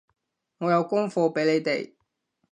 我有功課畀你哋